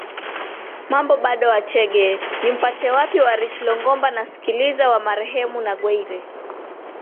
Mambo bado wa Chege Nimpate Wapi wa Rich Longomba na Sikiliza wa marehemu Ngwair